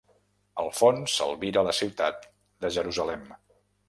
Al fons s'albira la ciutat de Jerusalem.